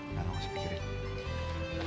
udah gak usah pikirin